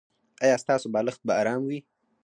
ایا ستاسو بالښت به ارام وي؟